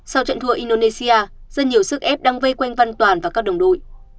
sau trận thua indonesia rất nhiều sức ép đang vây quanh văn toàn và các đồng đội